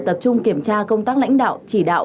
tập trung kiểm tra công tác lãnh đạo chỉ đạo